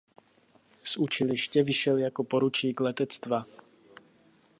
Z učiliště vyšel jako poručík letectva.